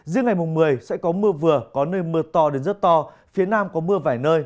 riêng ngày mùng một mươi sẽ có mưa vừa có nơi mưa to đến rất to phía nam có mưa vài nơi